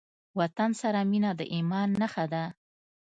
وطن سره مينه د ايمان نښه ده.